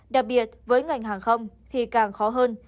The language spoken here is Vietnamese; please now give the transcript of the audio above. đặc biệt với ngành hàng không thì càng khó hơn